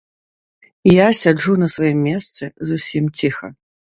Я сяджу на сваім месцы зусім ціха.